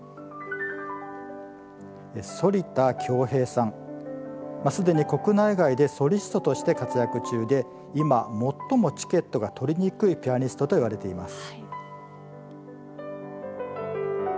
反田恭平さん、すでに国内外でソリストとして活躍中で今、最もチケットが取りにくいピアニストといわれています。